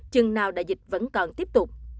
chừng nào đại dịch vẫn còn tiếp tục